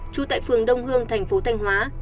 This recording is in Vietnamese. chú tại phường đông hương tp thanh hóa